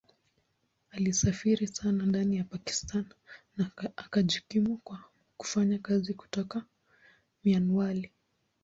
Alisafiri sana ndani ya Pakistan na akajikimu kwa kufanya kazi kutoka Mianwali.